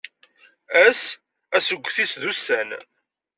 Ass asget-is d ussan.